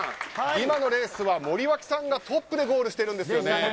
今のレースは森脇さんトップでゴールしているんです。